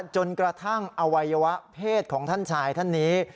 จนกระทั่งอวัยวะเพศของท่านชายท่านนี้